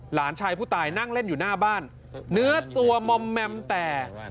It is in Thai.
หลานชายผู้ตายนั่งเล่นอยู่หน้าบ้านเนื้อตัวมอมแมมแตก